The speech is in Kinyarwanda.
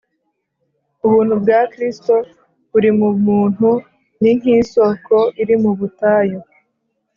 Ubuntu bwa Kristo buri mu muntu ni nk’isoko iri mu butayu